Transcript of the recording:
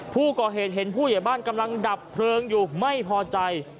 ผู้ก่อเหตุเห็นผู้ใหญ่บ้านกำลังดับเพลิงอยู่ไม่พอใจ